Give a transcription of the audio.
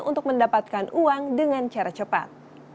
untuk mendapatkan uang dengan cara cepat